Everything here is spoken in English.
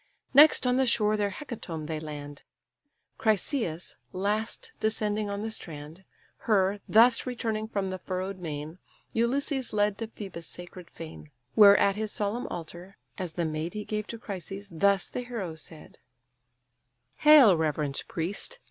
Next on the shore their hecatomb they land; Chryseïs last descending on the strand. Her, thus returning from the furrow'd main, Ulysses led to Phœbus' sacred fane; Where at his solemn altar, as the maid He gave to Chryses, thus the hero said: "Hail, reverend priest!